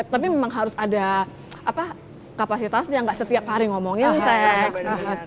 tapi memang harus ada kapasitas yang gak setiap hari ngomongin seks